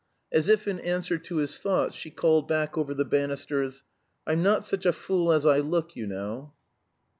As if in answer to his thoughts, she called back over the banisters "I'm not such a fool as I look, you know."